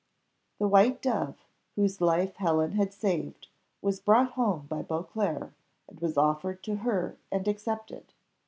The white dove, whose life Helen had saved, was brought home by Beauclerc, and was offered to her and accepted.